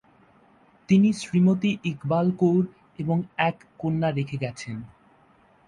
তিনি শ্রীমতী ইকবাল কৌর এবং এক কন্যা রেখে গেছেন।